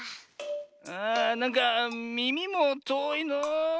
ああなんかみみもとおいのう。